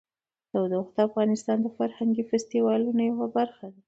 تودوخه د افغانستان د فرهنګي فستیوالونو یوه برخه ده.